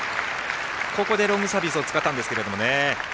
ここでロングサービスを使ったんですけどね。